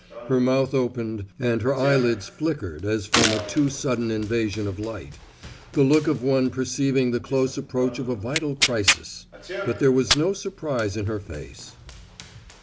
Her mouth opened, and her eyelids flickered as from a too sudden invasion of light the look of one perceiving the close approach of a vital crisis. But there was no surprise in her face.